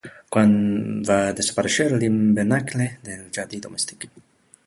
Quan va desaparèixer l'hivernacle del «jardí domèstic»?